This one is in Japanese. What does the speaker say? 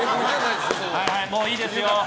もういいですよ。